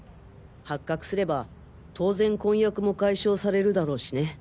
発覚すれば当然婚約も解消されるだろうしね。